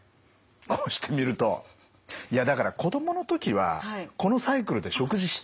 こうして見るといやだから子供の時はこのサイクルで食事してたんですよ。